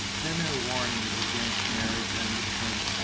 Then her warnings against marriage and the prince.